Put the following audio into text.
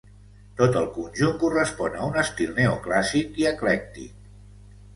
Tot el conjunt correspon a un estil neoclàssic i eclèctic.